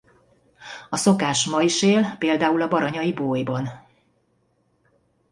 A szokás ma is él például a baranyai Bólyban.